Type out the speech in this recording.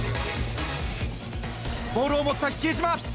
ボールを持った比江島。